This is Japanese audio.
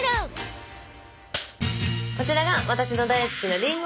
こちらが私の大好きなりんごあめです。